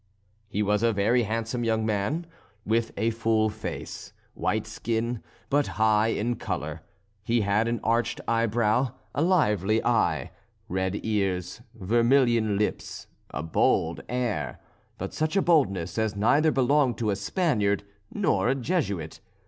He was a very handsome young man, with a full face, white skin but high in colour; he had an arched eyebrow, a lively eye, red ears, vermilion lips, a bold air, but such a boldness as neither belonged to a Spaniard nor a Jesuit.